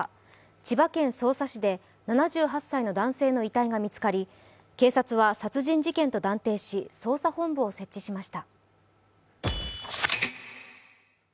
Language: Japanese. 千葉県匝瑳市で７８歳の男性の遺体が見つかり警察は殺人事件と断定し、捜査本部を設置しました。